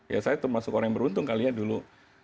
ya saya termasuk orang yang beruntung kali ya dulu